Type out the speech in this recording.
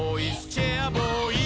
チェアボーイ！」